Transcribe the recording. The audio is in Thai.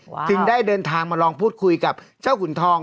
จึงได้เดินทางมาลองพูดคุยกับเจ้าขุนทอง